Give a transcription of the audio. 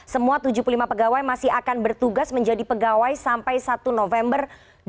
semua tujuh puluh lima pegawai masih akan bertugas menjadi pegawai sampai satu november dua ribu dua puluh